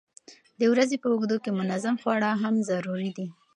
د ورځې په اوږدو کې منظم خواړه هم ضروري دي.